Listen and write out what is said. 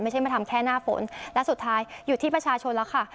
ไม่ใช่มาทำแค่หน้าฝนและสุดท้ายอยู่ที่ประชาชนแล้วค่ะ